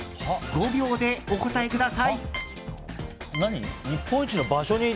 ５秒でお答えください。